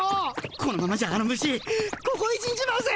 このままじゃあの虫こごえ死んじまうぜ！